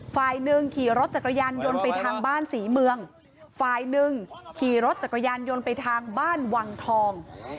ฝ่ายหนึ่งขี่รถจักรยานยนต์ไปทางบ้านศรีเมืองฝ่ายหนึ่งขี่รถจักรยานยนต์ไปทางบ้านวังทอง